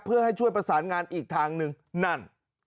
เพื่อให้ช่วยประสานงานอีกทางหนึ่งนั่น